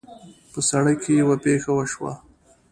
په سړک کې یوه پېښه وشوه